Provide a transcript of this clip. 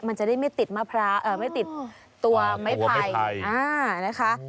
มันจะได้ไม่ติดตัวไม้ไผ่นะคะ